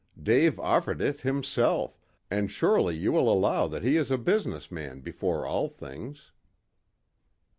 Dave offered it himself, and surely you will allow that he is a business man before all things."